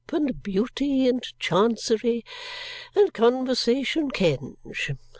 And beauty. And Chancery. And Conversation Kenge!